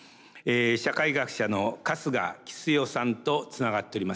社会学者の春日キスヨさんとつながっております。